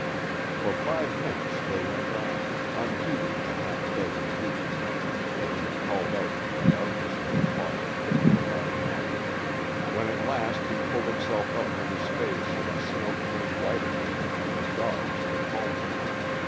For five minutes they went on, unheeding the half dozen weak commands that he called out from the darkness that had fallen thickly about him. When at last he pulled himself up from his face and the snow turned white again, the dogs had halted.